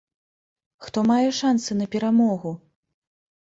Хто мае шансы на перамогу?